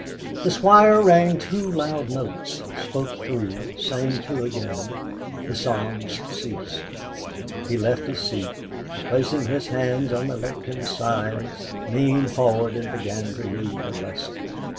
The Squire sang two loud notes, spoke three, sang two again; the Psalms ceased. He left his seat, and placing his hands on the lectern's sides, leaned forward and began to read the Lesson.